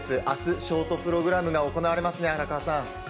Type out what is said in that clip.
あす、ショートプログラムが行われますね、荒川さん。